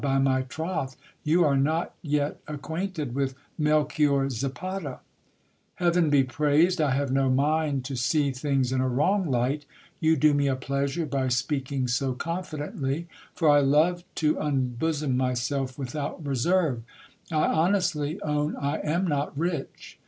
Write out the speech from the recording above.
by my tioth, you are not yet acquainted with Melchior Zapata. Heaven be praised, I have no mind to see things in a wrong light. You do me a pleasure by speaking so confidently : for I love to unbosom myself without reserve. I honestly own I am not rich.